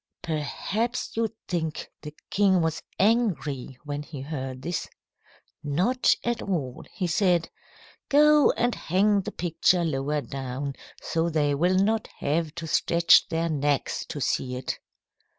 "Perhaps you think the king was angry when he heard this. Not at all. He said, 'Go and hang the picture lower down, so they will not have to stretch their necks to see it.'